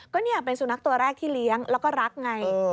ก็เนี่ยเป็นสุนัขตัวแรกที่เลี้ยงแล้วก็รักไง